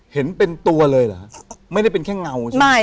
เห็นเป็นตัวเลยเหรอฮะไม่ได้เป็นแค่เงาใช่ไหมใช่